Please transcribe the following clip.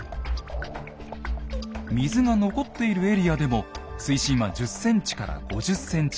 水が残っているエリアでも水深は１０ｃｍから５０ｃｍほど。